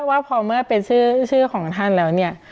ว่าพอเมื่อเป็นชื่อของท่านแล้วเนี่ย